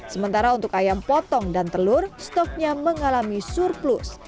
sementara untuk ayam potong dan telur stoknya mengalami surplus